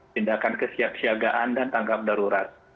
tindakan kesiapsiagaan dan tanggap darurat